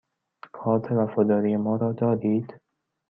کارت وفاداری ما را دارید؟